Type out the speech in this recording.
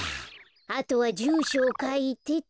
あとはじゅうしょをかいてと。